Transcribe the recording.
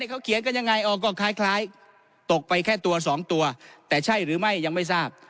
เขาเขียนกันยังไงก็คล้ายตกไปแค่ตัวสองตัวแต่ใช่หรือไม่ยังไม่ทราบ